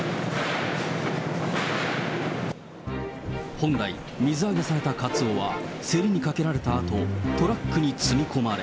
本来、水揚げされたカツオは競りにかけられたあと、トラックに積み込まれ。